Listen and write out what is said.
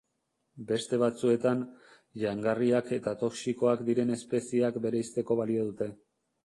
Beste batzuetan, jangarriak eta toxikoak diren espezieak bereizteko balio dute.